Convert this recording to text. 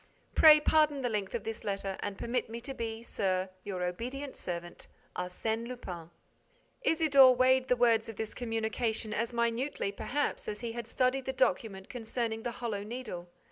Pray, pardon the length of this letter and permit me to be, Sir, Your obedient servant, ARSÈNE LUPIN. Isidore weighed the words of this communication as minutely, perhaps, as he had studied the document concerning the Hollow Needle.